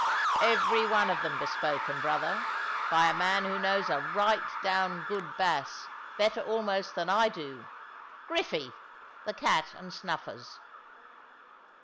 "Every one of them bespoken, brother; by a man who knows a right down good bass, better almost than I do. Griffy, the 'Cat and Snuffers.'"